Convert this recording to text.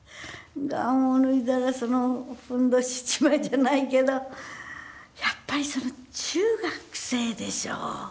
ガウンを脱いだらそのふんどし一枚じゃないけどやっぱり中学生でしょ。